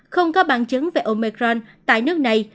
không có bằng chứng về omicron tại nước này